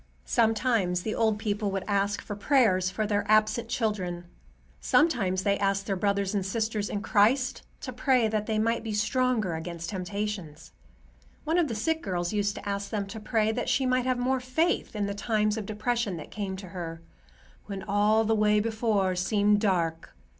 Sometimes the old people would ask for prayers for their absent children. Sometimes they asked their brothers and sisters in Christ to pray that they might be stronger against temptations. One of the sick girls used to ask them to pray that she might have more faith in the times of depression that came to her, "when all the way before seemed dark."